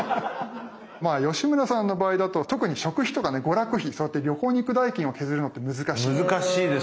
吉村さんの場合だと特に食費とかね娯楽費そうやって旅行に行く代金を削るのって難しいですよね。